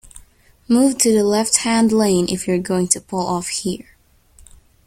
Move to the left-hand lane if you're going to pull off here